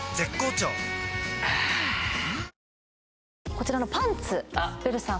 こちらのパンツベルさん